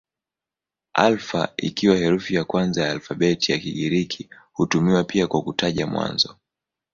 Alfa ikiwa herufi ya kwanza ya alfabeti ya Kigiriki hutumiwa pia kwa kutaja mwanzo.